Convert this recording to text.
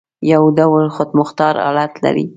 یو ډول خودمختار حالت لري.